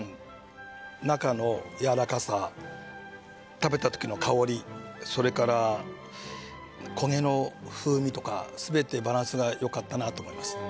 食べた時の香りそれから焦げの風味とかすべてバランスがよかったなと思います